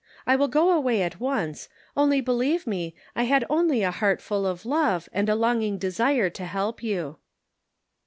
I will go away at once, only believe me, I had only a heart full of love, and a longing desire to help you."